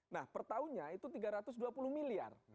nah per tahunnya itu tiga ratus dua puluh miliar